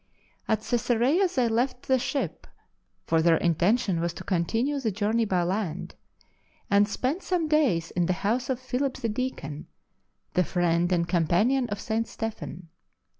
At Cesarea they left the ship— for their intention was to continue the journey by land — and spent some days in the house of Philip the Deacon, the friend and companion of St. Stephen.